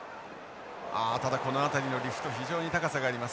ああただこの辺りのリフト非常に高さがあります。